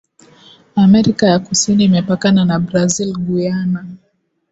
Amerika ya Kusini Imepakana na Brazil Guyana